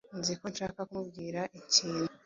Nzi ko ushaka kumbwira ikintu.